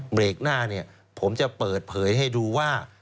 เมฆหน้าผมจะเปิดเผยให้ดูว่า